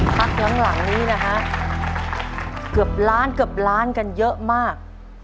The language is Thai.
พักหลังนี้นะฮะเกือบล้านเกือบล้านกันเยอะมาก